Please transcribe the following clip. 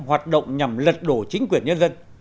hoạt động nhằm lật đổ chính quyền nhân dân